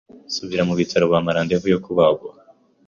nsubira mu bitaro bampa rendez vous yo kubagwa,